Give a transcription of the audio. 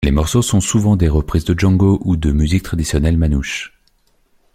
Les morceaux sont souvent des reprises de Django ou de musique traditionnelle manouche.